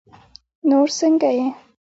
نور سنګه یی